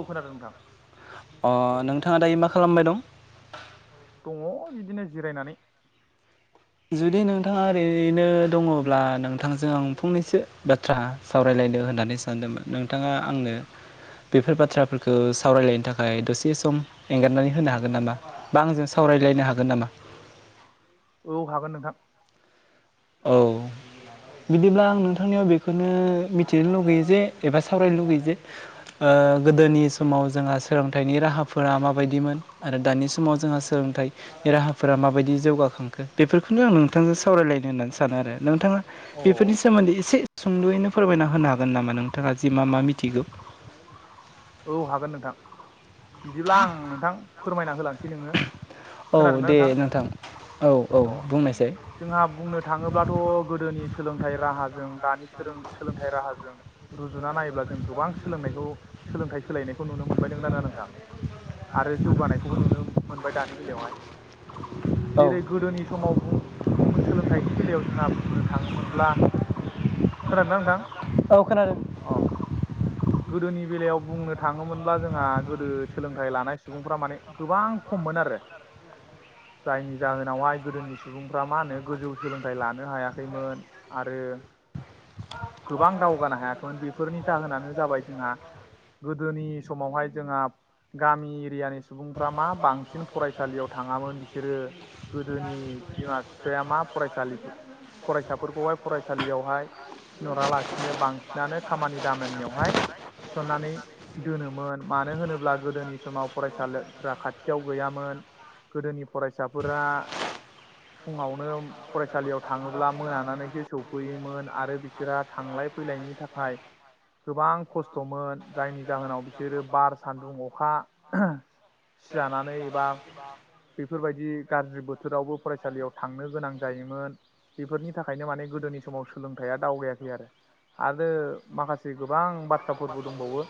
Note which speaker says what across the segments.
Speaker 1: औ खोनादों नोंथां।
Speaker 2: अ नोंथाङा दायो मा खालामबाय दं?
Speaker 1: दङ बिदिनो जिरायनानै।
Speaker 2: जुदि नोंथाङा ओरैनो दङब्ला नोंथांजों आं फंनैसो बाथ्रा सावरायलायनो होननानै सानदोंमोन। नोंथाङा आंनो बेफोर बाथ्राफोरखौ सावरायलायनो थाखाय दसे सम एंगारनानै होनो हागोन नामा बा आंजों सावरायलायनो हागोन नामा?
Speaker 1: औ हागोन नोंथां।
Speaker 2: औ बिदिब्ला आं नोंथांनियाव बेखौनो मिथिनो लुगैयो जे एबा सावरायनो लुगैयो जे ओ गोदोनि समाव जोंहा सोलोंथाइनि राहाफोरा माबायदिमोन आरो दानि समाव जोंहा सोलोंथाइनि राहाफोरा माबायदि जौगाखांखो बेफोरखौनो आं नोंथांजों सावरायलायनो होननानै सानो आरो नोंथाङा
Speaker 1: अ
Speaker 2: बेफोरनि सोमोन्दै एसे सुंद'यैनो फोरमायना होनो हागोन नामा नोंथाङा जि मा मा मिथिगौ?
Speaker 1: औ हागोन नोंथां। बिदिब्ला आं नोंथां फोरमायना होलांसै नोनो
Speaker 2: औ
Speaker 1: खोनादोंना
Speaker 2: दे
Speaker 1: नोंथां
Speaker 2: औ औ
Speaker 1: अ
Speaker 2: बुंनायसाय
Speaker 1: जोंहा बुंनो थाङोब्लाथ' गोदोनि सोलों सोलोंथाइ राहाजों दानि सोलों-सोलोंथाइ राहाजों रुजुना नायोब्ला जों गोबां सोलोंनायखौ सोलोंथाइ सोलायनायखौ नुनो मोनबाय नोंगोना नोङा नोंथां आरो जौगानायखौबो नुनो मोनबाय दानि बेलायावहाय
Speaker 2: औ
Speaker 1: जेरै गोदोनि समावनो बुं-बुंनो-सोलोंथाइनि बेलायाव जोंहा बुंनो थाङोमोनब्ला खोनादोंना नोंथां?
Speaker 2: औ खोनादों।
Speaker 1: अ गोदोनि बेलायाव बुंनो थाङोमोन अब्ला जोंहा गोदो सोलोंथाइ लानाय सुबुंफ्रा माने गोबां खममोन आरो। जायनि जाहोनावहाय गोदोनि सुबुंफ्रा मा होनो गोजौ सोलोंथाइ लानो हायाखैमोन आरो गोबां दावगानो हायाखैमोन बेफोरनि जाहोनानो जाबाय जोंहा गोदोनि समावहाय जोंहा गामि एरियानि सुबुंफ्रा मा बांसिन फरायसालियाव थाङामोन बिसोरो गोदोनि बिमा बिफाया मा फरायसा फरायसाफोरखौहाय फरायसालियावहाय थिनहरालासिनो बांसिनानो खामानि दामानियावहाय थिसननानै दोनोमोन मानो होनोब्ला गोदोनि समाव फरायसालिफोरा खाथियाव गैयामोन गोदोनि फरायसाफोरा फुङावनो फरायसालियाव थाङोब्ला मोनानानैसो सौफैयोमोन आरो बिसोरहा थांलाय फैलायनि थाखाय गोबां खस्थ'मोन जायनि जाहोनाव बिसोरो बार सान्दुं अखा सिजानानै एबा बेफोरबायदि गाज्रि बोथोरावबो फरायसालियाव थांनो गोनां जायोमोन बेफोरनि थाखायनो माने गोदोनि समाव सोलोंथाइआ दावगायाखै आरो आरो माखासे गोबां बा थ्राफोरबो दंबावो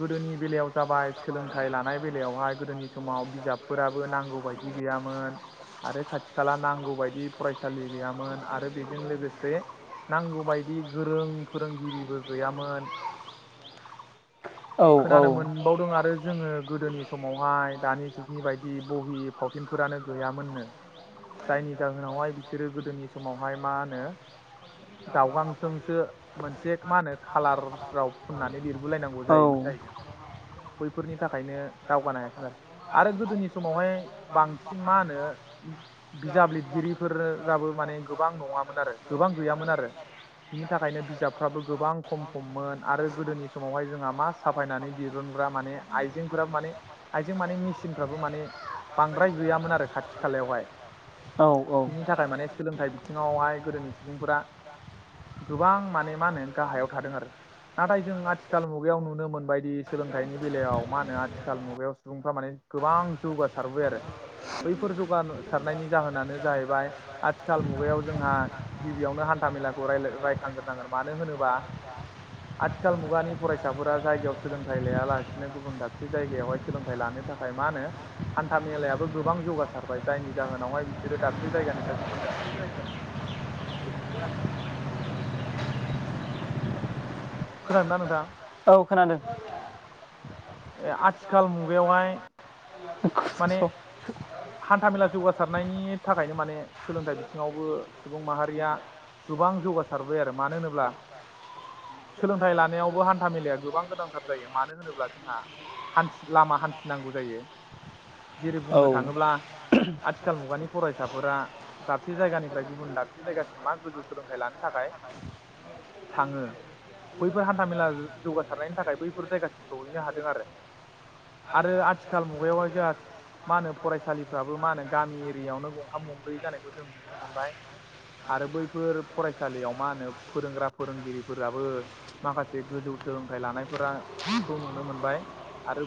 Speaker 1: गोदोनि बेलायाव जाबाय सोलोंथाइ लानाय बेलायावहाय गोदोनि समाव बिजाबफोराबो नांगौ बायदि गैयामोन आरो खाथि खाला नांगौ बायदि फरायसालि गैयामोन आरो बेजों लोगोसे नांगौ बायदि गोरों फोरोंगिरिबो गैयामोन
Speaker 2: औ औ
Speaker 1: खोनानो मोनबावदों आरो जोङो गोदोनि समावहाय दानि जुगनि बायदि बहि फावथिनफोरानो गैयामोननो जायनि जाहोनावहाय बिसोरो गोदोनि समावहाय मा होनो दाउगांजोंसो मोनसे मा होनो खालार [unintelligible] फुननानै लिरबोलायनांगौ
Speaker 2: औ
Speaker 1: जायोमोन जाहैदों बैफोरनि थाखायनो दावगानो हायाखैमोन आरो आरो गोदोनि समावहाय बांसिन मा होनो बिजाब लिरगिरिफोराबो माने गोबां नङामोन आरो गोबां गैयामोन आरो बिनि थाखायनो बिजाबफ्राबो गोबां खम खममोन आरो गोदोनि समावहाय जोंहा मा साफायनानै दिरुनग्रा माने आइजेंफोराबो माने आइजें माने मेसिनफ्राबो माने बांद्राय गैयामोन आरो खाथि खालायावहाय
Speaker 2: औ
Speaker 1: बिनि थाखाय माने सोलोंथाइ बिथिङावहाय गोदोनि सुबुंफोरा गोबां माने मा होनो गाहायाव थादों आरो। नाथाय जों आथिखाल मुगायाव नुनो मोनबायदि सोलोंथाइनि बेलायाव मा होनो आथिखाल मुगायाव सुबुंफ्रा माने गोबां जौगासारबोबाय आरो बैफोर जौगासारनायनि जाहोनानो जाहैबाय आथिखाल मुगायाव जोंहा गिबियावनो हान्था मेलाखौ रायखांग्रोनांगोन मानो होनोबा आथिखाल मुगानि फरायसाफोरा जायगायाव सोलोंथाइ लायालासिनो गुबुन दाबसे जायगायावहाय सोलोंथाइ लानो थाखाय मा होनो हान्था मेलायाबो गोबां जौगासारबाय जायनि जाहोनावहाय बिसोरो दाबसे जायगानिफ्राय गुबुन दाबसे जायगासिम खोनादोंना नोंथां?
Speaker 2: औ खोनादों।
Speaker 1: आथिखाल मुगायावहाय माने हान्था मेला जौगासारनायनि थाखायनो माने सोलोंथाइ बिथिङावबो सुबुं माहारिया गोबां जौगासारबाय आरो मानो होनोब्ला सोलोंथाइ लानायावबो हान्था मेलाया गोबां गोनांथार जायो मानो होनोब्ला जोंहा हान लामा हान्थिनांगौ जायो जेरै बुंनो
Speaker 2: औ
Speaker 1: थाङोब्ला आथिखाल मुगानि फरायसाफोरा दाबसे जायगानिफ्राय गुबुन दाबसे जायगासिम मा गोजौ सोलोंथाइ लानो थाखाय थाङो बैफोर हान्था मेला जौगासारनायनि थाखाय बैफोर जायगासिम सहैनो हा दों आरो आरो आथिखाल मुगायावहाय जोंहा मा होनो फरायसालिफ्राबो मा होनो गामि एरियावनो गंथाम गंब्रै जानायखौ जों नुनो मोनबाय आरो बैफोर फरायसालियाव मा होनो फोरोंग्रा फोरोंगिरिफोराबो माखासे गोजौ सोलोंथाइ लानायफोरा खौ नुनो मोन बाय आरो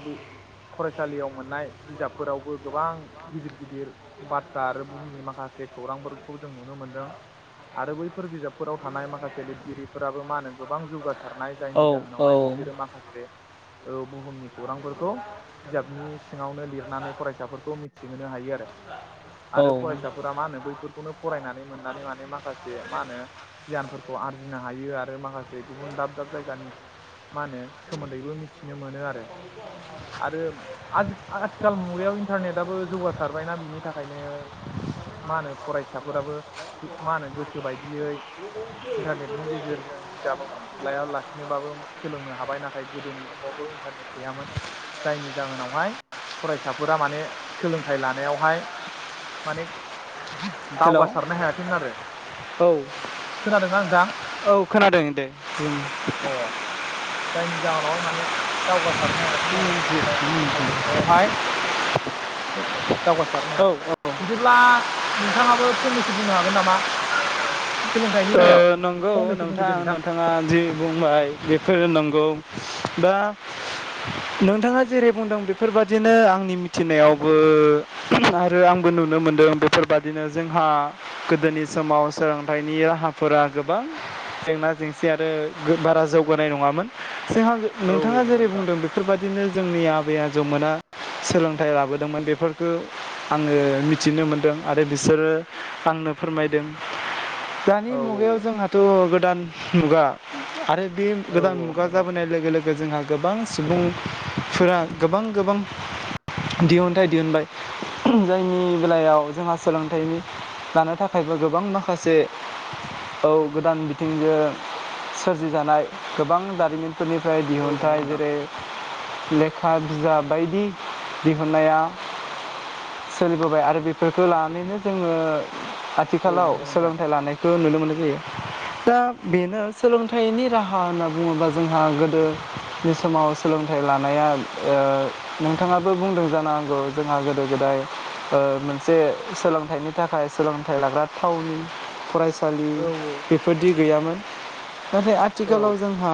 Speaker 1: फरायसालियाव मोननाय बिजाबफोरावबो गोबां गिदिर गिदिर बाथ्रा आरो बुुहुमनि माखासे खौरांफोरखौ जों नुनो मोनदों आरो बैफोर बिजाबफोराव थानाय माखासे लिरगिरिफोराबो मा होनो गोबां जौगा सारनाय
Speaker 2: औ
Speaker 1: जायनि
Speaker 2: औ
Speaker 1: जाहोनावहाय बिसोरो माखासे औ बुहुमनि खौरांफोरखौ बिजाबनि सिङावनो लिरनानै फरायसाफोरखौ मिथिहोनो हायो आरो।
Speaker 2: औ
Speaker 1: आरो फरायसाफोरा मा होनो बैफोरखौनो फरायनानै मोननानै माने माखासे मा होनो गियानफोरखौ आरजिनो हायो आरो माखासे गुबुन दाब दाब जायगानि मा होनो सोमोन्दैबो मि थिनो मोनो आरो आरो आदि आथिखाल मुगायाव इन्टारनेटाबो जौगासारबायना बिनि थाखायनो मा होनो फरायसाफोराबो मा होनो गोसो बायदियै इन्टारनेटनि गेजेरजों बिजाब लायालासिनोबाबो सोलोंनो हाबाय नाथाय गोदोनि समावथ' इन्टारनेट गैयामोन जायनि जाहोनावहाय फरायसाफोरा माने सोलोंथाइ लानायावहाय माने
Speaker 2: हेल' औ
Speaker 1: दावगासारनो हायाखैमोन आरो खोनादोंना नोंथां?
Speaker 2: औ खोनादों दे बुं
Speaker 1: अ जायनि जाहोनावहाय माने दावगा सारनो हायासैमोन आरो नाथाय आथिखाल मुगायावहाय [inaudible] दावगासारनो
Speaker 2: औ ओ
Speaker 1: हादों बिदिब्ला नोंथाङाबो फंनैसो बुंनो हागोन नामा? सोलोंथाइनि
Speaker 2: अ
Speaker 1: बेलायाव
Speaker 2: नंगौ
Speaker 1: फंनैसो बुंदो दे
Speaker 2: नोंथां नोंथाङा जि बुंबाय बेफोरो नंगौ दा नोंथाङा जेरै बुंदों बेफोरबादिनो आंनि मिथिनायावबो आरो आंबो नुनो मोनदों बेफोरबादिनो जोंहा गोदोनि समाव सोलोंथाइनि रा राहाफोरा गोबां जेंना जेंसि आरो बारा जौगानाय नङामोन। जोंहा
Speaker 1: औ
Speaker 2: नोंथाङा
Speaker 1: नंगौ
Speaker 2: जेरै
Speaker 1: नोंथां
Speaker 2: बुंदों बेफोरबायदिनो जोंनि आबै आजौमोना सोलोंथाइ लाबोदोंमोन बेफोरखौ आङो मिथिनो मोनदों आरो बिसोरो आंनो फोरमायदों। दानि
Speaker 1: औ
Speaker 2: मुगायाव
Speaker 1: औ
Speaker 2: जोंहाथ' गोदान मुगा आरो बिदि
Speaker 1: औ
Speaker 2: गोदान
Speaker 1: औ
Speaker 2: मुगा
Speaker 1: नंगौ
Speaker 2: जाबोनाय लोगो लोगो जोंहा गोबां सुबुंफोरा गोबां गोबां दिहुनथायाइ दिहुनबाय जायनि बेलायाव जोंहा सोलोंथाइ लानो थाखायबो गोबां माखासे औ गोदान बिथिंजों सोरजिजानाय गोबां जारिमिन फोरनिफ्राय
Speaker 1: औ नंगौ
Speaker 2: दिहुनथाइ
Speaker 1: नोंथां
Speaker 2: जेरै लेखा बिजाब बायदि दिहुननाया सोलिबोबाय आरो बेफोरखौ लानानैनो जोङो
Speaker 1: औ
Speaker 2: आथिखालाव
Speaker 1: नंगौ नोंथां
Speaker 2: सोलों नायखौ नुनो मोननाय जायो दा बेनो सोलोंथाइनि राहा होनना बुङोबा जोंहा गोदोनि समाव सोलोंथाइ लानाया ओ नोंथाङाबो बुंदों जानो हांगौ जोंहा गोदो गोदाय ओ मोनसे सोलोंथाइनि थाखाय सोलोंथाइ लाग्रा थावनि फरायसा सालि
Speaker 1: औ
Speaker 2: बेफोरदि गैयामोन। [inaudible] नाथाय आथिखालाव जोंहा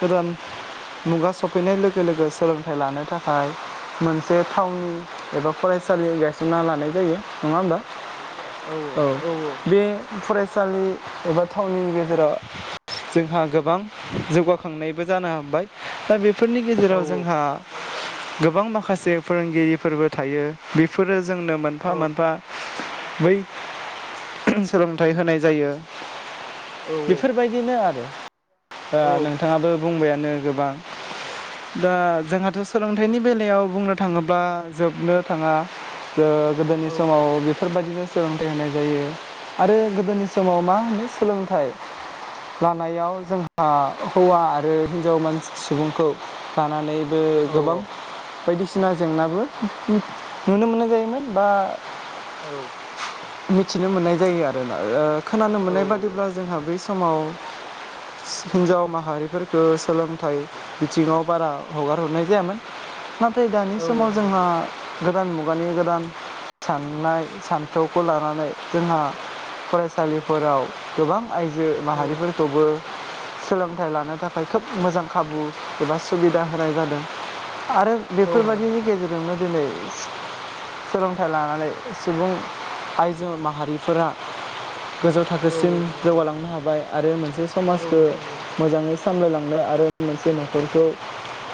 Speaker 2: गोदान मुगा सफैनाय लोगो लोगो सोलोंथाइ लानो थाखाय मोनसे थावनि एबा फरायसालि गायसनना लानाय जायो नङा होमबा।
Speaker 1: औ औ औ औ।
Speaker 2: बे फरायसालि एबा थावनि गेजेराव जोंहा गोबां जौगाखांनायबो जानो हाबबाय दा बे फोरनि गेजेराव
Speaker 1: नंगौ
Speaker 2: जोंहा गोबां माखासे फोरोंगिरिफोरबो थायो बेफोरो जोंनो मोनफा मोनफा बै सोलोंथाइ होनाय जायो। बेफोरबायदिनो आरो ओ नोंथाङाबो बुंबायानो गोबां दा जोंहाथ' सोलोंथाइनि बेलायाव बुंनो थाङोब्ला जोबनो थाङा। ओ गोदोनि समाव बेफोरबायदिनो सोलोंथाइ होनाय जायो। आरो गोदोनि समाव मा होनो सोलोंथाइ लानायाव जोंहा हौवा आरो हिनजाव मानसि सुबुंखौ लानानै ओ गोबां बायदिसिना सिना जेंनाबो नुनो मोननाय जायोमोन बा
Speaker 1: औ।
Speaker 2: मिथिनो मोननाय जायो आरोना ओ खोनानो मोननाय बादिब्ला जोंहा बै समाव हिन्जाव माहारि फोरखौ सोलोंथाइ बिथिङाव बारा हगार हरनाय जायामोन। नाथाय दानि समाव जोंहा
Speaker 1: नंगौ
Speaker 2: गोदान मुगानि गोदान साननाय सान्थौ खौ लानानै जोंहा फरायसालि फोराव गोबां आइजो
Speaker 1: औ
Speaker 2: माहारि फोरखौबो सोलोंथाइ लानो थाखाय खोब मोजां खाबु एबा सुबिदा होनाय जादों। आरो बेफोर
Speaker 1: औ नंगौ
Speaker 2: बायादिनि
Speaker 1: नोंथां
Speaker 2: गेजेर जोंनो दिनै [inaudible] सोलोंथाइ लानानै सुबुं आइजो माहारि फोरा गोजौ थाखो
Speaker 1: औ
Speaker 2: सिम
Speaker 1: औ नंगौ नंगौ
Speaker 2: जौगालांनो हाबाय। आरो मोनसे
Speaker 1: औ
Speaker 2: समाजखौ
Speaker 1: नंगौ नंगौ नंगौ
Speaker 2: मोजाङै सामलाय लांनो आरो मोनसे न'खरखौ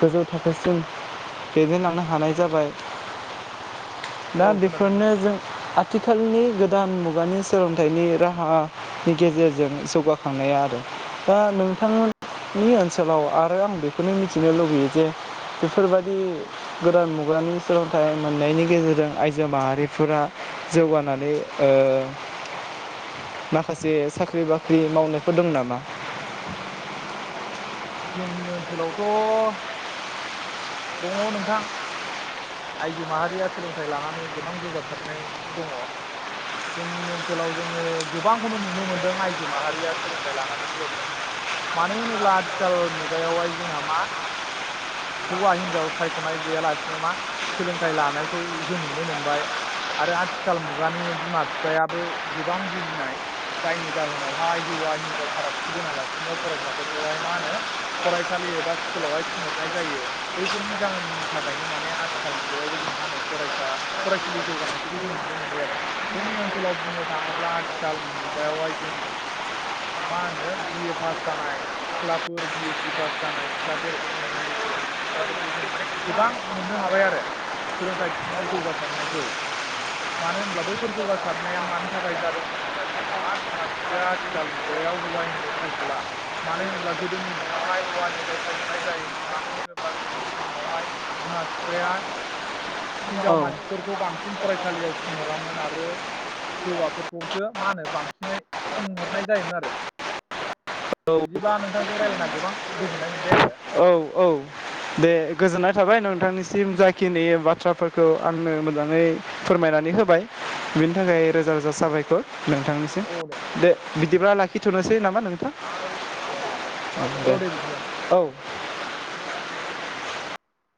Speaker 2: गोजौ थाखोसिम दैदेनलांनो हानाय जाबाय। दा
Speaker 1: औ खोनादों नोंथां
Speaker 2: बेफोरनो जों आथिखालनि गोदान मु मुगानि सोलोंथाइनि राहा नि गेजेरजों जौगा खांनाया आरो दा नोंथां मोननि ओनसोलाव आरो आं बेखौनो मिथिनो लुुबैयो जे बेफोर बादि गोदान मुगानि सोलोंथाइ मोननायनि गेजेरजों आइजो माहारि फोरा जौगानानै ओ [inaudible] माखासे साख्रि बाख्रि मावनाय फोर दं नामा?
Speaker 1: जोंनि ओनसोलावथ' दङ नोंथां। आइजो माहारिया सोलोंथाइ लानानै गोबां जौगासारनाय दङ जोंनि ओनसोलाव जोङो गोबां खौनो नुनो मोनदों आइजो माहारिया सोलोंथाइ लानानै जौगासारनाय मानो होनोब्ला आथिखाल मुगायाव हाय जोंहा मा हौवा हिनजाव सायख'नाय गैया लासिनो मा सोलोंथाइ लानायखौ जों नुनो मोनबाय आरो आथिखाल मुगानि बिमा बिफायाबो गोबां बुजिनाय जायनि जाहोनाव हाय हौवा हिनजाव फारागथि दोनालासिनो फरायसा फोरखौहाय मा होनो फरायसालि एबा स्कुलाव हाय थिन हरनाय जायो बैफोरनि जाहोननि थाखायनो माने आथि आथिखाल मुगायावबो जों मा होनो फरायसा फरायसुलि जौगानाय खौबो जों नुनो मोनबाय आरो जोंनि ओनसोलाव बुंनो थाङोब्ला आथिखाल मुगायाव हाय जों मा होनो बिए पास जानाय सिख्ला फोर बि एस सि पास जानाय सिख्ला फोर एम ए, एम ए सि जानाय सिख्ला फोरखौ जों माने गोबां मोननो हाबाय आरो। सोलोंथाइ बिथिङाव जौगारनायखौ मानो होनब्ला बैफोर जौगासारनाया मानि थाखाय जादों होनोब्ला जोङो मा बिमा बिफाया आथिखाल मुगायाव हौवा हिनजाव सायख'ला मानो होनब्ला गोदोनि दिनावहाय हौवा हिनजाव सायख'नाय जायोमोन मानो होनोब्ला गोदोनि समावहाय बिमा बिफाया हिनजाव
Speaker 2: औ
Speaker 1: मानसि फोरखौ बांसिन फरायसालि याव थिन हरामोन आरो हौवा फोरखौसो मा होनो बांसिनै थिन हरनाय जायोमोन आरो बिदिब्ला नोंथांजों राय्लायना गोबां गोजोननाय मोनबाय आङो।
Speaker 2: औ औ दे गोजोननाय थाबाय नोंथां निसिम जाखिनि बाथ्रा फोरखौ आंनो मोजाङै फोरमायनानै होबाय बिनि थाखाय रोजा रोजा साबायखर। नोंथांनि सिम दे बि बिदिब्ला लाखिथ'नोसै नामा नोंथां?
Speaker 1: औ
Speaker 2: [inaudible] अ दे
Speaker 1: औ बिदिब्ला
Speaker 2: औ